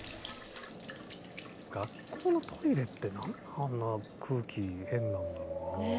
学校のトイレって何であんな空気変なんだろうね。